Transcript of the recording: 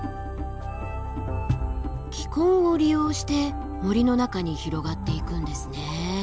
気根を利用して森の中に広がっていくんですね。